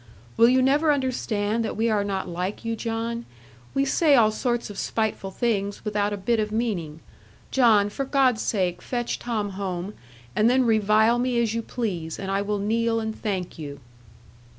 Will you never understand that we are not like you, John? We say all sorts of spiteful things, without a bit of meaning. John, for God's sake fetch Tom home; and then revile me as you please, and I will kneel and thank you.'